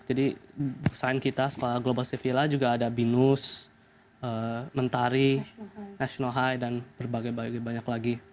jadi sign kita sekolah global civila juga ada binus mentari national high dan berbagai banyak lagi